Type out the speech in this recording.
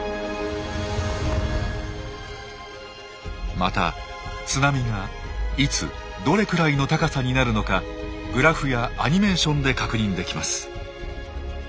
また津波がいつどれくらいの高さになるのかグラフやアニメーションで確認できます。